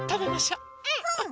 うん。